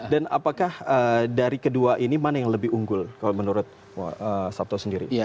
dan apakah dari kedua ini mana yang lebih unggul kalau menurut sabto sendiri